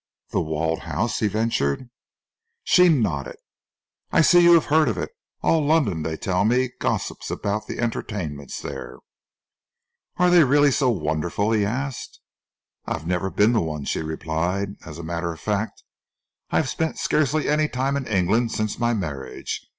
"The Walled House?" he ventured. She nodded. "I see you have heard of it. All London, they tell me, gossips about the entertainments there." "Are they really so wonderful?" he asked. "I have never been to one," she replied. "As a matter of fact, I have spent scarcely any time in England since my marriage.